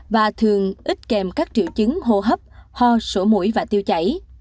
và thường ít kèm các triệu chứng hô hấp ho sổ mũi và tiêu chảy